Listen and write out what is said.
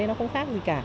nó không khác gì cả